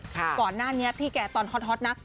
ก่อนหน้านี้พี่แกตอนฮอตนะ